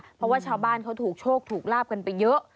เพราะว่าชาวบ้านเขาถูกโชคถูกลาบกันไปเยอะ